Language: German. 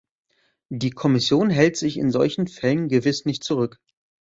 Die Kommission hält sich in solchen Fällen gewiss nicht zurück.